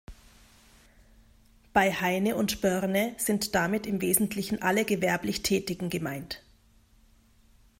Bei Heine und Börne sind damit im Wesentlichen alle gewerblich Tätigen gemeint.